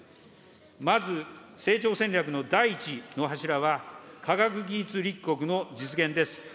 まず成長戦略の第１の柱は、科学技術立国の実現です。